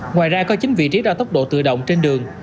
ngoài ra có chín vị trí đo tốc độ tự động trên đường